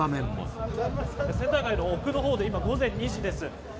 今センター街の奥のほうで今、午前２時です。